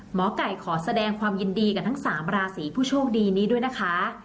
หมอไก่ขอแสดงความยินดีกับทั้ง๓ราศีผู้โชคดีนี้ด้วยนะคะ